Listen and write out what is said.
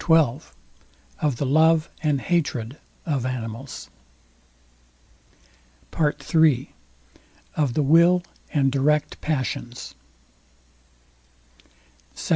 XII OF THE LOVE AND HATRED OF ANIMALS PART III OF THE WILL AND DIRECT PASSIONS SECT.